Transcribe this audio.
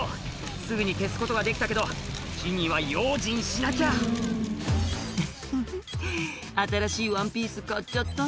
すぐに消すことができたけど火には用心しなきゃ「ウフフ新しいワンピース買っちゃった」